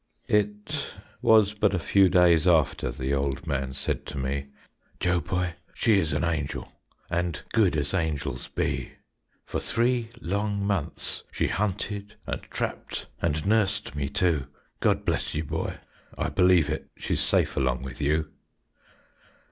It was but a few days after The old man said to me, "Joe, boy, she is an angel, And good as angels be. "For three long months she hunted, And trapped and nursed me too; God bless you, boy, I believe it, She's safe along with you."